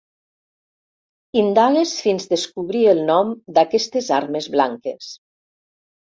Indagues fins descobrir el nom d'aquestes armes blanques.